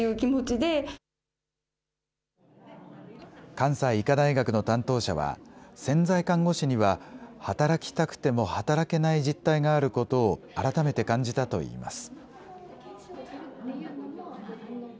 関西医科大学の担当者は、潜在看護師には、働きたくても働けない実態があることを改めて感じたといいます。